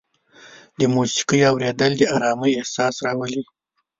د موسیقۍ اورېدل د ارامۍ احساس راولي.